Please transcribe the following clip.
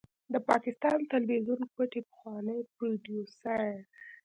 د پاکستان تلويزيون کوټې پخوانی پروديوسر